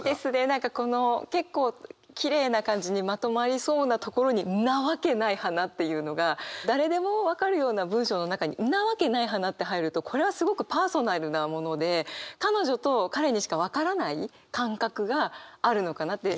何かこの結構きれいな感じにまとまりそうなところに「んなわけない花」っていうのが誰でも分かるような文章の中に「んなわけない花」って入るとこれはすごくパーソナルなもので彼女と彼にしか分からない感覚があるのかなって。